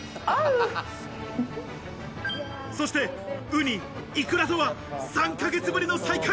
そしてウニ、イクラとは３ヶ月ぶりの再会。